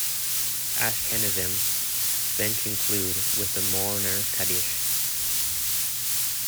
Ashkenazim then conclude with the Mourner's Kaddish.